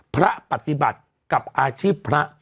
พระปฏิบัติกับอาชีพพระ